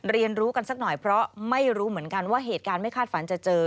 เรียนรู้กันสักหน่อยเพราะไม่รู้เหมือนกันว่าเหตุการณ์ไม่คาดฝันจะเจอ